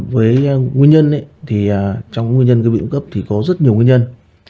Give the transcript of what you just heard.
với nguyên nhân trong nguyên nhân biến tụy cấp có rất nhiều nguyên nhân